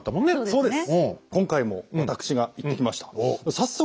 そうです。